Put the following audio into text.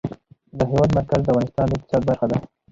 د هېواد مرکز د افغانستان د اقتصاد برخه ده.